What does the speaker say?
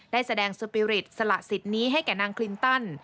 ได้แสดงสปีริตสละสิทธิ์นี้ให้แก่นางคลินตัน